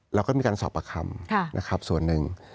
เราก็มีการสอบประคำนะครับส่วนหนึ่ง